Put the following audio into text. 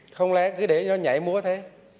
không lẽ cứ để nó nhảy múa thế